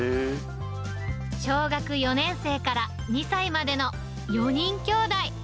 小学４年生から２歳までの４人きょうだい。